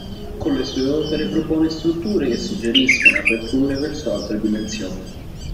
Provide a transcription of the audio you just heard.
Con le sue opere propone strutture che suggeriscono aperture verso altre dimensioni.